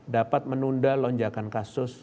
dapat menunda lonjakan kasus